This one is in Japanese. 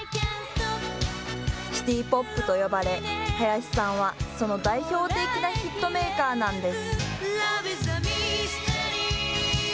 シティ・ポップと呼ばれ、林さんはその代表的なヒットメーカーなんです。